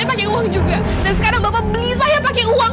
bapak mau nunjukin ke saya kalau bapak bisa nemuin ibu saya pake uang